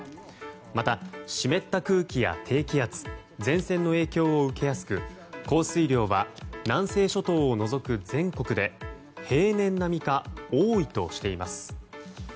また、湿った空気や低気圧前線の影響を受けやすく降水量は南西諸島を除く全国で平年並みか多いとしています。